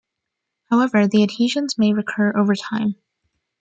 However, the adhesions may recur over time.